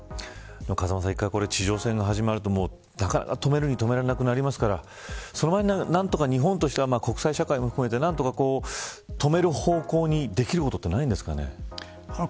風間さん、１回地上戦が始まるとなかなか止めるに止められなくなりますからその前に何とか日本としては国際社会も含めて止める方向にできることってないんですかね。